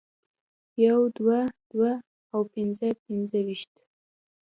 يو دوه دوه او پنځه پنځه پنځویشت